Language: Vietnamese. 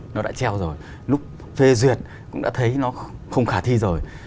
nó đã treo rồi lúc phê duyệt cũng đã thấy nó không khả thi rồi